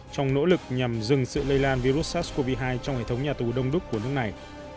trong nỗ lực nhằm dừng sự lây lan virus sars cov hai trong hệ thống nhà tù đông đúc của nước này